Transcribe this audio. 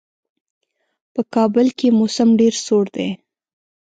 په کابل کې موسم ډېر سوړ دی.